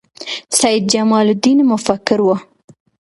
سید جمال الدین مفکر و